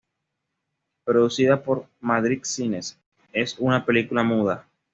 Producida por Madrid Cines, es una película muda.